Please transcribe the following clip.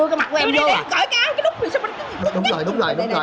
anh nói nghe nè